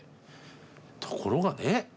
ところがねえ